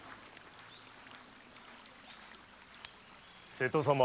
瀬戸様。